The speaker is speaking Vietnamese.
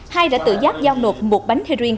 hai đã tự giác giao nộp một bánh heroin